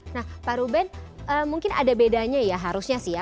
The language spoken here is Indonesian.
nah pak ruben mungkin ada bedanya ya harusnya sih ya